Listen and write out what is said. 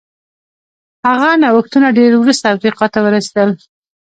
هغه نوښتونه ډېر وروسته افریقا ته ورسېدل.